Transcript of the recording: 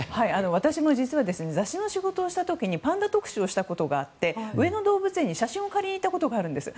私も実は雑誌の取材をした時にパンダ特集をしたことがありまして上野動物園に写真を借りに行ったことがあるんです。